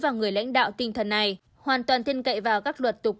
vào người lãnh đạo tinh thần này hoàn toàn thiên cậy vào các luật tục